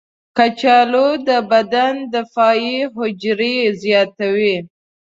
کچالو د بدن دفاعي حجرې زیاتوي.